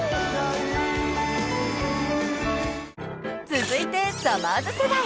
［続いてさまぁず世代］